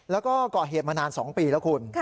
แล้วก็ก่อเหตุมานาน๒ปีแล้วคุณ